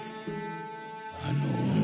あの女！